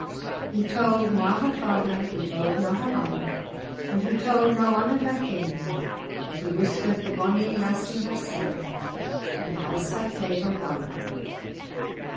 He told na her father, he told na her mother, And he told na ane o' her kin, But he whispered the bonnie lassie hersell, And has her favour won.